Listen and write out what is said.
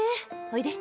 おいで。